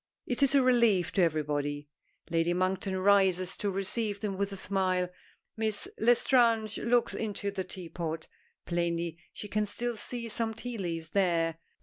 It is a relief to everybody. Lady Monkton rises to receive them with a smile: Miss L'Estrange looks into the teapot. Plainly she can still see some tea leaves there.